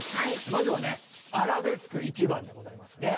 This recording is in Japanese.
まずはね「アラベスク１番」でございますね。